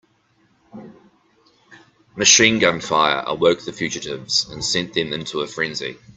Machine gun fire awoke the fugitives and sent them into a frenzy.